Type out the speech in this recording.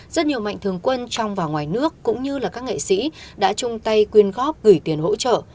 rất nhiều mạnh thường quân trong và ngoài nước cũng như là các nghệ sĩ đã chung tay quyên góp gửi tiền hỗ trợ